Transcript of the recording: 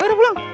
gak ada pulang